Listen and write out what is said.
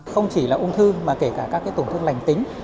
không chỉ là ung thư mà kể cả các tổn thương lành tính